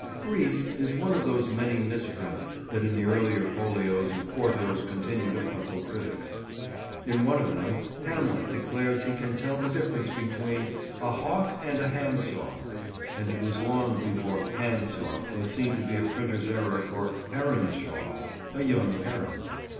"Greece" is one of those many misprints that in the early folios and quartos continue to puzzle critics. In one of them Hamlet declares he can tell the difference between "a hawk and a handsaw," and it was long before "handsaw" was seen to be a printer's error for "heronshaw," a young heron.